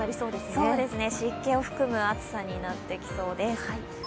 湿気を含む暑さになってきそうです。